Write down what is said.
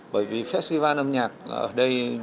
bởi vì festival âm nhạc ở đây